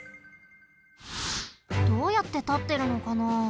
どうやってたってるのかな？